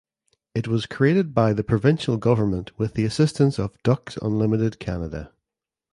It was created by the provincial government with the assistance of Ducks Unlimited Canada.